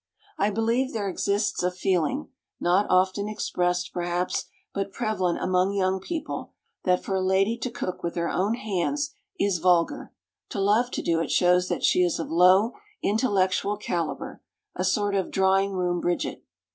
I believe there exists a feeling, not often expressed perhaps, but prevalent among young people, that for a lady to cook with her own hands is vulgar; to love to do it shows that she is of low intellectual caliber, a sort of drawing room Bridget.